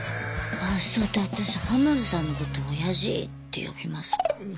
あそうだ私浜田さんのことオヤジって呼びますもん。